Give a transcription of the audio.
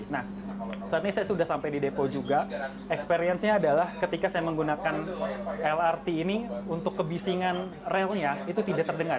nah saat ini saya sudah sampai di depo juga experience nya adalah ketika saya menggunakan lrt ini untuk kebisingan relnya itu tidak terdengar